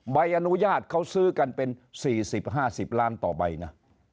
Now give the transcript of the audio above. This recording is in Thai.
ใบอนุญาตเขาซื้อกันเป็น๔๐๕๐ล้านต่อใบนะ